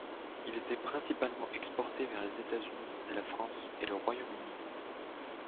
Il était principalement exporté vers les États-Unis, la France et le Royaume-Uni.